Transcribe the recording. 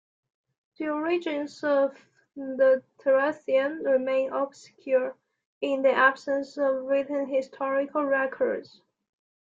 The origins of the Thracians remain obscure, in the absence of written historical records.